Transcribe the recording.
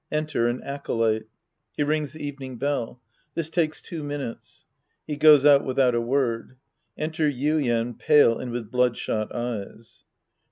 Enter an Acolyte. He rings the evening bell. This takes two minutes. He goes out without a word. Enter Yuien, pale and with bloodshot eyes.)